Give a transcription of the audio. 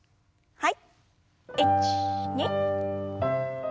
はい。